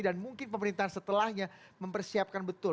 dan mungkin pemerintahan setelahnya mempersiapkan betul